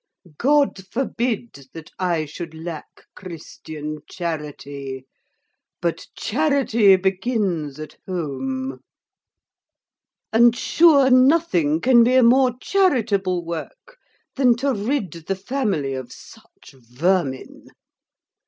God forbid that I should lack christian charity; but charity begins at huom, and sure nothing can be a more charitable work than to rid the family of such vermine.